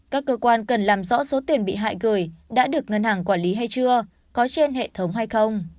các cơ quan cần làm rõ số tiền bị hại gửi đã được ngân hàng quản lý hay chưa có trên hệ thống hay không